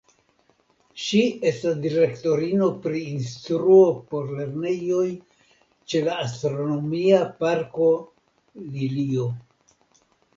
Ŝi estas direktorino pri instruo por lernejoj ĉe la Astronomia Parko Lilio.